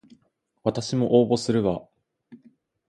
わたしも応募するわ